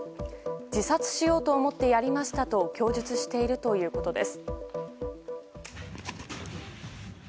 自殺しようと思ってやりましたと供述しているということです。